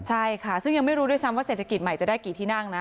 ใช่ค่ะซึ่งยังไม่รู้ด้วยซ้ำว่าเศรษฐกิจใหม่จะได้กี่ที่นั่งนะ